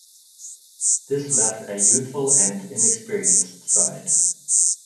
This left a youthful and inexperienced side.